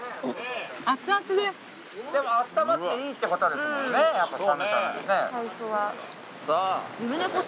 でもあったまっていいってことですもんね？